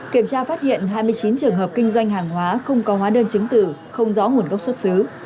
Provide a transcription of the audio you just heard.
kiểm tra phát hiện hai mươi chín trường hợp kinh doanh hàng hóa không có hóa đơn chứng tử không rõ nguồn gốc xuất xứ